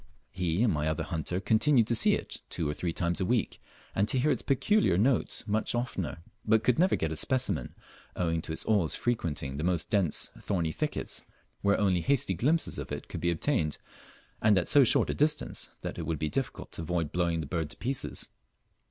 He and my other hunter continued to see it two or three times a week, and to hear its peculiar note much oftener, but could never get a specimen, owing to its always frequenting the most dense thorny thickets, where only hasty glimpses of it could be obtained, and at so short a distance that it would be difficult to avoid blowing the bird to pieces.